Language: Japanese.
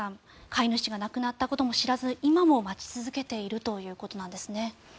飼い主が亡くなったことも知らず今も待ち続けているということなんですね。